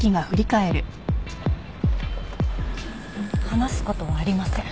話すことはありません。